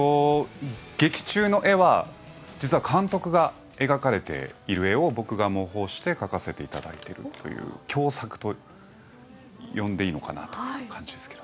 劇中の絵は実は監督が描かれている絵を僕が模倣して描かせてもらっているという共作と呼んでいいのかなという感じですけど。